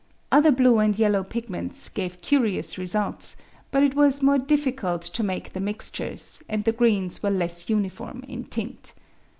Other blue and yellow pigments gave curious results, but it was more difficult to make the mixtures, and the greens were less uniform in tint.